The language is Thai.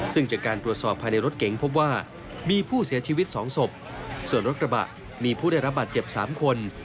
ซึ่งจากการตรวจสอบภายในรถเก๋งพบว่ามีผู้เสียชีวิตสองศพส่วนรถกระบะมีผู้ได้รับบาดเจ็บ๓คน